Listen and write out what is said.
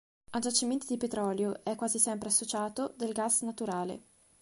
A giacimenti di petrolio è quasi sempre associato del gas naturale.